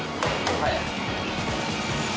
はい。